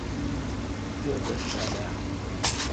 تی ابدس تھال اہ؟